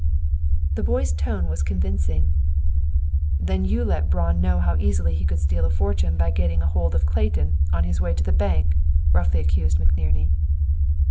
The boy's tone was convincing. "Then you let Braun know how easily he could steal a fortune by getting hold of Clayton on his way to the bank!" roughly accused McNerney.